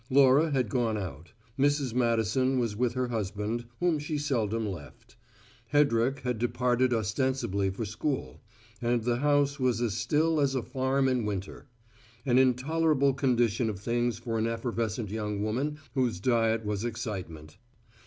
Laura had gone out; Mrs. Madison was with her husband, whom she seldom left; Hedrick had departed ostensibly for school; and the house was as still as a farm in winter an intolerable condition of things for an effervescent young woman whose diet was excitement.